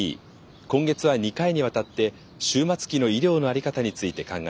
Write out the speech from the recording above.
今月は２回にわたって終末期の医療の在り方について考えます。